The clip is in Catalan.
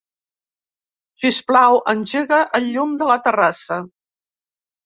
Sisplau, engega el llum de la terrassa.